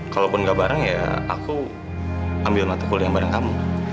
kalaupun nggak bareng ya aku ambil mata kuliah bareng kamu